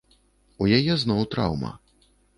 У яе зноў траўма.